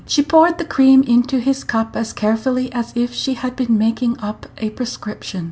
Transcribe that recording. She poured the cream into his cup as carefully as if she had been making up a prescription.